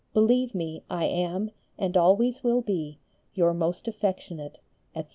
Believe me, I am, and always will be, Your most affectionate, etc.